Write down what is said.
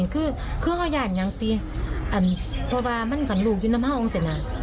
คือคือเขาอยากยังตีอันเพราะว่ามันกันลูกยุ่นทำห้องเสร็จน่ะ